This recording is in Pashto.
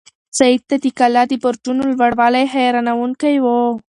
سعید ته د کلا د برجونو لوړوالی حیرانونکی و.